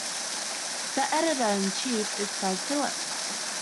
The editor-in-chief is Fred Phillips.